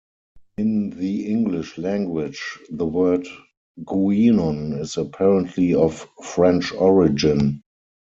In the English language, the word "guenon" is apparently of French origin.